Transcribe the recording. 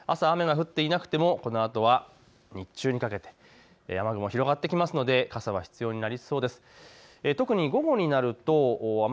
朝、雨が降っていなくてもこのあとは日中にかけて雨雲広がってきますので傘は必要になりそうです。